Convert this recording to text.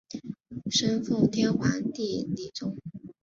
生奉天皇帝李琮。